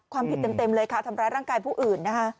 ความผิดเต็มเลยค่ะทำร้ายร่างกายผู้อื่นนะคะ